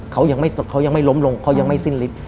เขายังไม่ล้มลงเขายังไม่สิ้นลิฟต์